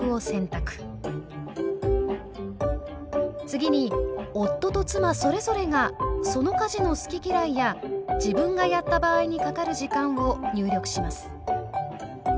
次に夫と妻それぞれがその家事の好き嫌いや自分がやった場合にかかる時間を入力します。